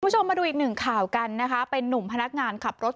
คุณผู้ชมมาดูอีกหนึ่งข่าวกันนะคะเป็นนุ่มพนักงานขับรถ